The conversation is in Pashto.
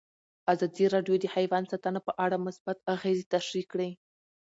ازادي راډیو د حیوان ساتنه په اړه مثبت اغېزې تشریح کړي.